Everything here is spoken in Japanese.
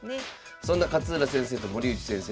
そんな勝浦先生と森内先生